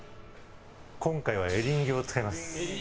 今回はエリンギを使います。